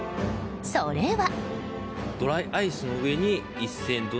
それは。